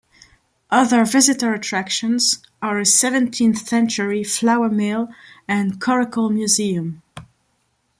Other visitor attractions are a seventeenth-century flour mill and coracle museum.